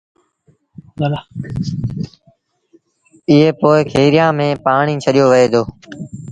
ائيٚݩ پو کيريآݩ ميݩ پآڻيٚ ڇڏيو وهي دو